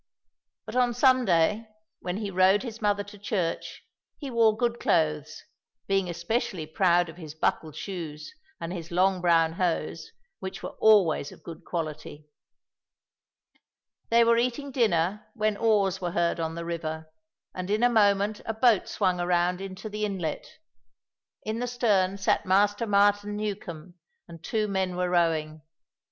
But on Sunday, when he rowed his mother to church, he wore good clothes, being especially proud of his buckled shoes and his long brown hose, which were always of good quality. They were eating dinner when oars were heard on the river, and in a moment a boat swung around into the inlet. In the stern sat Master Martin Newcombe, and two men were rowing.